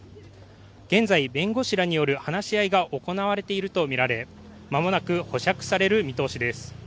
現在、弁護士らによる話し合いが行われているとみられまもなく保釈される見通しです。